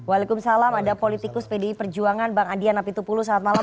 waalaikumsalam ada politikus pdi perjuangan bang adian apitupulu selamat malam